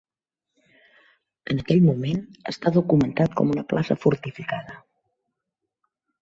En aquell moment està documentat com una plaça fortificada.